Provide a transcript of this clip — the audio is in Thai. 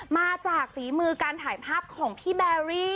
มาจากฝีมือการถ่ายภาพของพี่แบรี่